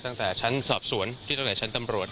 ตั้งแต่ชั้นสอบสวนที่ตั้งแต่ชั้นตำรวจ